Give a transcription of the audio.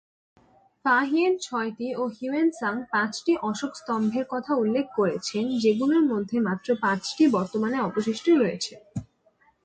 Fa-Hien ছয়টি ও Hiuen Tsang পাঁচটি অশোক স্তম্ভের উল্লেখ করেছেন, যেগুলির মধ্যে মাত্র পাঁচটি বর্তমানে অবশিষ্ট রয়েছে।